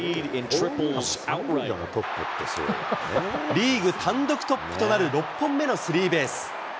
リーグ単独トップとなる６本目のスリーベース。